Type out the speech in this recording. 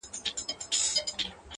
خوارسومه انجام مي د زړه ور مـات كړ.